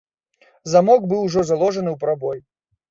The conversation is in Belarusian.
Замок быў ужо заложаны ў прабой.